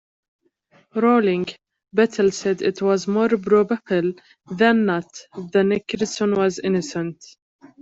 Ruling, Patel said it was "more probable than not" that Nickerson was innocent.